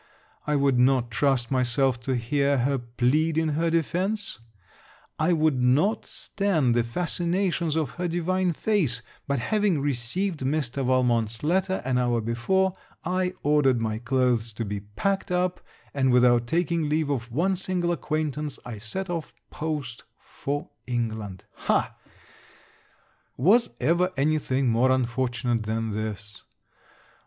I would not trust myself to hear her plead in her defence; I would not stand the fascinations of her divine face; but having received Mr. Valmont's letter an hour before, I ordered my clothes to be packed up, and without taking leave of one single acquaintance, I set off post for England Ha! Was ever any thing more unfortunate than this.